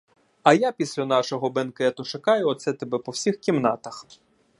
А я після нашого бенкету шукаю оце тебе по всіх кімнатах.